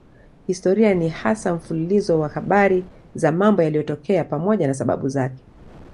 Historia ni hasa mfululizo wa habari za mambo yaliyotokea pamoja na sababu zake.